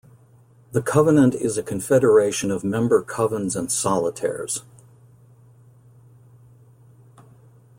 The Covenant is a confederation of member covens and solitaires.